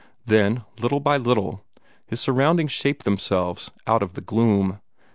Then, little by little, his surroundings shaped themselves out of the gloom.